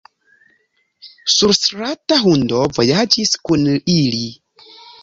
Surstrata hundo vojaĝis kun ili.